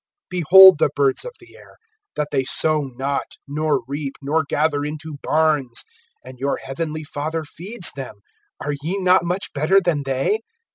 (26)Behold the birds of the air, that they sow not, nor reap, nor gather into barns; and your heavenly Father feeds them. Are ye not much better than they?